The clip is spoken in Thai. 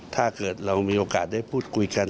ถ้าเกิดเรามีโอกาสได้พูดคุยกัน